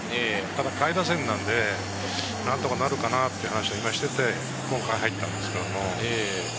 ただ下位打線なので何とかなるかなという話をしていて、この回に入ったんですけれど。